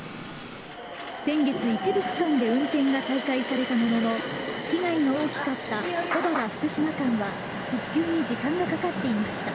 先月、一部区間で運転が再開されたものの被害の大きかった保原福島間は復旧に時間がかかっていました。